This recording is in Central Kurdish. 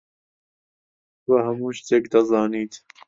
تۆ هەموو شتێک دەزانیت.